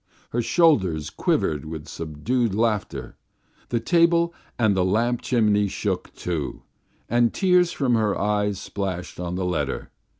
Her shoulders quivered with subdued laughter, the table and the lamp chimney shook, too, and tears from her eyes splashed on the letter.